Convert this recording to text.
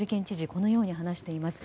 このように話しています。